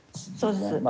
そうです。